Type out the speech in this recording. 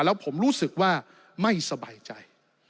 แล้วผมรู้สึกว่าไม่สบายใจ